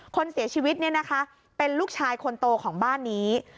คนเสียชีวิตเนี่ยนะคะเป็นลูกชายคนโตของบ้านนี้